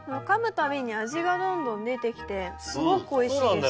たびに味がどんどん出てきてすごくおいしいですね。